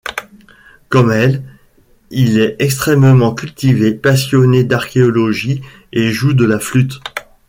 Comme elle, il est extrêmement cultivé, passionné d'archéologie et joue de la flûte.